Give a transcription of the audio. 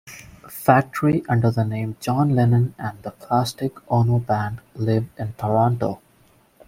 Factory, under the name John Lennon and the Plastic Ono Band: Live in Toronto.